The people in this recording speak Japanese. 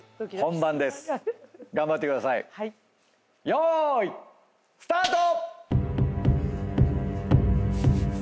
よーいスタート！